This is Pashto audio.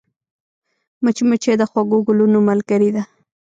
مچمچۍ د خوږو ګلونو ملګرې ده